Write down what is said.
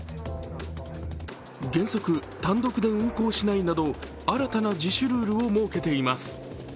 原則、単独で運航しないなど新たな自主ルールを設けています。